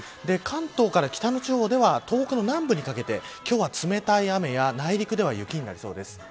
関東から北の地方では東北の南部にかけて今日は冷たい雨や内陸では雪になりそうです。